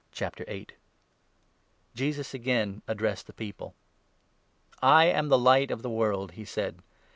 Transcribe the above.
The 'Light Jesus again addressed the people. *ia ; of "I am the Light of the World," he said.